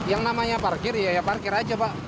yang namanya parkir ya ya parkir aja pak